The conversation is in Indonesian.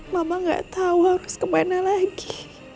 mama gak tahu harus kemana lagi